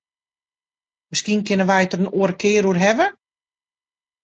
Miskien kinne wy it der in oare kear oer hawwe.